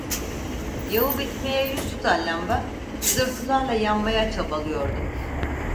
Yağı bitmeye yüz tutan lamba, cızırtılarla yanmaya çabalıyordu.